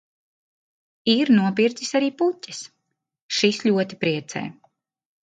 Ir nopircis arī puķes, šis ļoti priecē.